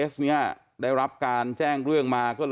ถ้าได้รับการแจ้งเรื่องมา